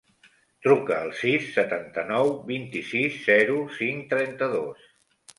Truca al sis, setanta-nou, vint-i-sis, zero, cinc, trenta-dos.